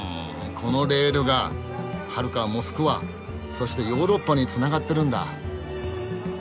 このレールがはるかモスクワそしてヨーロッパにつながってるんだ。